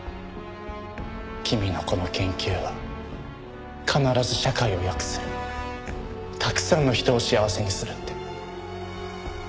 君のこの研究は必ず社会を良くするたくさんの人を幸せにするって。